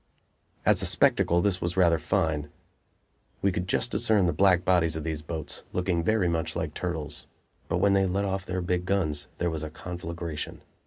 As a spectacle this was rather fine. We could just discern the black bodies of these boats, looking very much like turtles. But when they let off their big guns there was a conflagration.